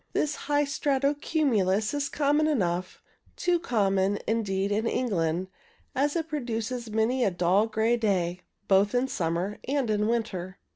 This high strato cumulus is common enough, too common, indeed, in England, as it produces many a dull grey sky both in summer and in winter.